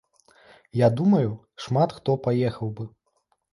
Я думаю, шмат хто паехаў бы.